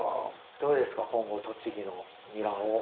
どうですか今後栃木のニラを。